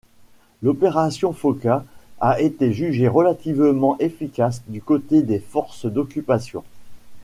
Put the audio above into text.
L'opération Foča a été jugé relativement efficace du côté des forces d'occupation.